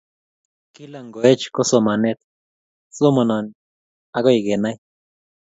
Kila ngoech ko somanet... Somanani akei kenee